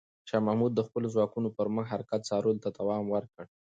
شاه محمود د خپلو ځواکونو پر مخ حرکت څارلو ته دوام ورکړ.